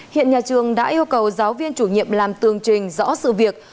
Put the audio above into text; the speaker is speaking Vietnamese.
hiện nhà trường đã yêu cầu giáo viên chủ nhiệm làm tường trình rõ sự việc